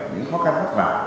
những khó khăn khó khăn